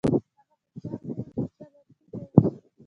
هغه په چل کې چلاکي کوي